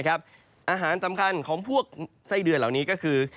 อาหารสำคัญของพวกไส้เดือนเหล่านี้ก็คือ